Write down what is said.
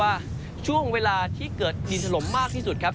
ว่าช่วงเวลาที่เกิดดินถล่มมากที่สุดครับ